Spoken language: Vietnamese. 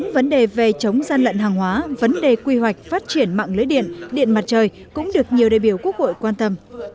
vấn đề về chống gian lận hàng hóa vấn đề quy hoạch phát triển mạng lưới điện điện mặt trời cũng được nhiều đại biểu quốc hội quan tâm